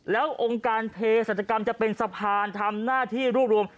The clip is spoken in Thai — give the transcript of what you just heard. แล้วองค์การเพศรัชกรรมจะเป็นสะพานทำหน้าที่รวบรวม